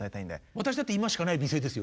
私だって今しかない美声ですよ。